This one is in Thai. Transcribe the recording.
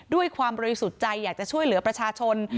ด้วยความบริสุทธิ์ใจอยากจะช่วยเหลือประชาชน